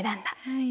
はい。